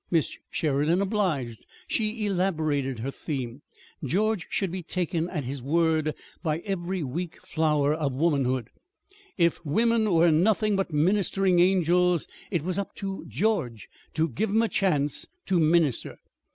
Miss Sheridan obliged. She elaborated her theme. George should be taken at his word by every weak flower of womanhood. If women were nothing but ministering angels, it was "up to" George to give 'em a chance to minister.